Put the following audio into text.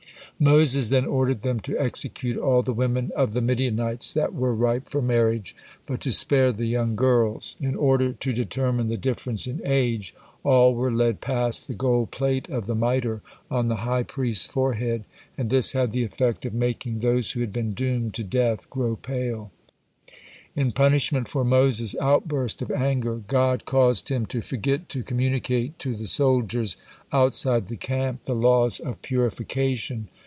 Moses then ordered them to execute all the women of the Midianites that were ripe for marriage, but to spare the young girls. In order to determine the difference in age, all were led past the gold plate of the mitre on the high priest's forehead, and this had the effect of making those who had been doomed to death grow pale. In punishment for Moses' outburst of anger God caused him to forget to communicate to the soldiers outside the camp the laws of purification.